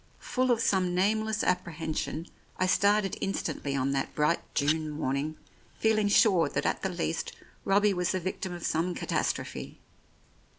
Full of some nameless apprehension, I started in stantly on that bright June morning, feeling sure that at the least Robbie was the victim of some catastrophe.